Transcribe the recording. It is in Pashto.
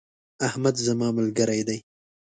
احمد زما ملګری دی.